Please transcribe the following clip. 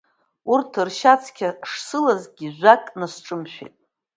Урҭ, ршьацқьа шсылазгь, жәакгы насҿамшәеит.